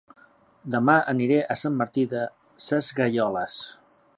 Dema aniré a Sant Martí Sesgueioles